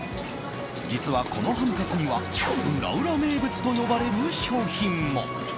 実はこのハムカツにはウラウラ名物と呼ばれる商品も。